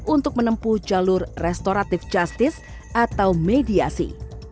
untuk menempuh jalur restoratif justice atau mediasi